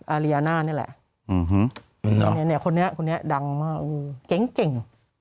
อาริยานานี่แหละอืมฮือเนี้ยเนี้ยคนนี้คนนี้ดังมากเออเก่งเก่ง